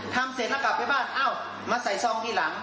ทำเสร็จแล้วกลับไปบ้านเอ้ามาใส่ซองที่หลัง